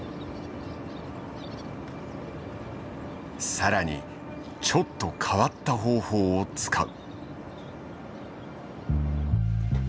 さらにちょっと変わった方法を使う。